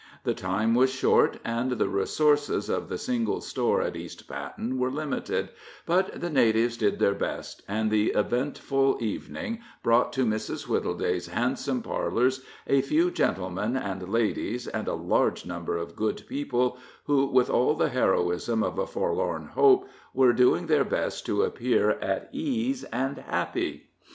The time was short, and the resources of the single store at East Patten were limited, but the natives did their best, and the eventful evening brought to Mrs. Wittleday's handsome parlors a few gentlemen and ladies, and a large number of good people, who, with all the heroism of a forlorn hope, were doing their best to appear at ease and happy.